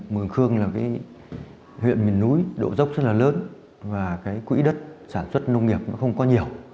mường khương là cái huyện miền núi độ dốc rất là lớn và cái quỹ đất sản xuất nông nghiệp nó không có nhiều